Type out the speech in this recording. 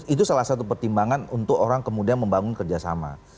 itu salah satu pertimbangan untuk orang kemudian membangun kerjasama